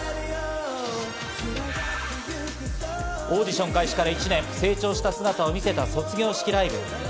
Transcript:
オーディション開始から１年、成長した姿を見せた卒業式ライブ。